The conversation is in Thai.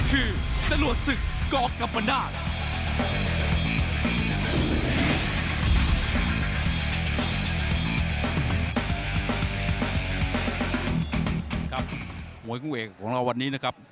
มวยคู่เอกของเราวันนี้นะครับ